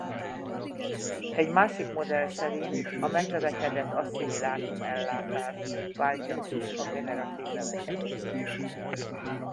Egy másik modell szerint a megnövekedett asszimilátum-ellátás váltja ki a generatív növekedést.